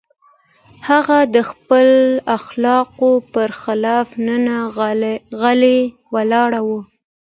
هغه د خپلو اخلاقو پر خلاف نن غلی ولاړ و.